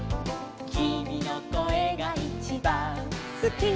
「きみのこえがいちばんすき」